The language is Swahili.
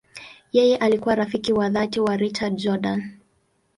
Yeye alikuwa rafiki wa dhati wa Richard Jordan.